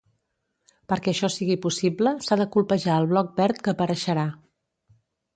Perquè això sigui possible s'ha de colpejar el bloc verd que apareixerà.